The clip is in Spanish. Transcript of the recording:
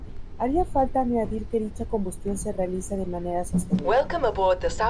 Haría falta añadir que dicha combustión se realiza de manera sostenida.